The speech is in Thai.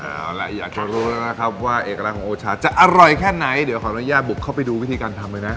เอาล่ะอยากจะรู้แล้วนะครับว่าเอกลักษณ์ของโอชาจะอร่อยแค่ไหนเดี๋ยวขออนุญาตบุกเข้าไปดูวิธีการทำเลยนะ